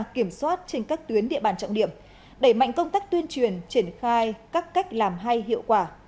kiểm soát trên các tuyến địa bàn trọng điểm đẩy mạnh công tác tuyên truyền triển khai các cách làm hay hiệu quả